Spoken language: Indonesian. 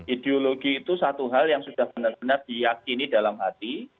ideologi itu satu hal yang sudah benar benar diyakini dalam hati